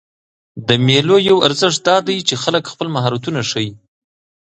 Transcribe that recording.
د مېلو یو ارزښت دا دئ، چې خلک خپل مهارتونه ښيي.